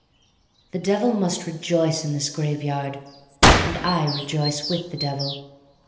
The Devil jnust rejoice in this grave yard. And I rejoice with the Devil.